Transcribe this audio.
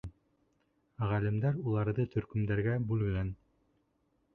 Ғалимдар уларҙы төркөмдәргә бүлгән.